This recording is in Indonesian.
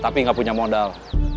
tapi gak punya modal